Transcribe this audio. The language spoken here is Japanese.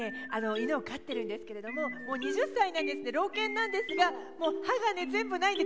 犬を飼ってるんですけれどももう２０歳なんですね老犬なんですがもう歯がね全部ないんで。